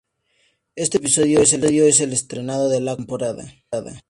Este episodio es el estreno de la cuarta temporada.